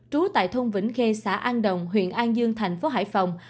trú tại thôn vĩnh khê xã an đồng huyện an dương thành phố hải phòng